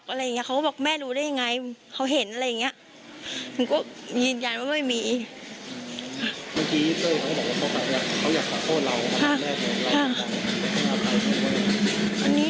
เขาก็บอกแม่รู้ได้ยังไงเขาเห็นอะไรอย่างนี้